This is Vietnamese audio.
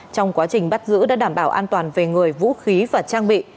trong quá trình bắt giữ đã đảm bảo an toàn về người vũ khí và trang bị